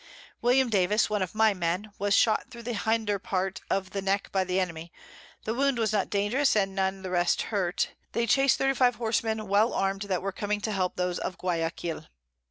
William Davis, one of my Men, was shot through the hinder part of the Neck by the Enemy, the Wound not dangerous, and none of the rest hurt; they chased 35 Horsemen well arm'd, that were coming to help those of Guiaquil.